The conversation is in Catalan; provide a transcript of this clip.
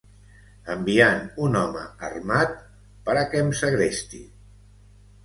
Enviant un home armat per a que em segresti!